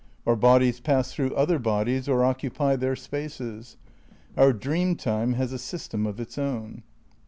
Our bodies pass through other bodies or occupy their spaces. Our Dream Time has a system of its own.